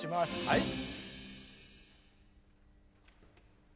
はい。